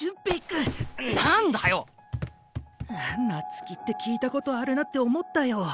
「夏姫」って聞いたことあるなって思ったよ。